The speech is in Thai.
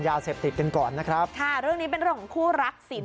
ยาเสพติดเกินก่อนนะครับค่ะถ้าเรื่องนี้เป็นร่วมขู่รักษิน